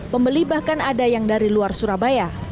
pembeli bahkan ada yang dari luar surabaya